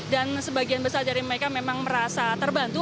dan sebagian besar dari mereka memang merasa terbantu